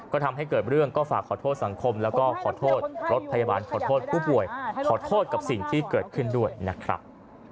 ก็ทำให้เกิดเรื่องก็ฝากขอโทษสังคมแล้วก็ขอโทษรถพยาบาลขอโทษผู้ป่วยขอโทษกับสิ่งที่เกิดขึ้นด้วยนะครับ